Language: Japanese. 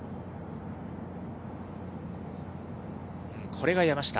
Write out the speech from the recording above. これが山下。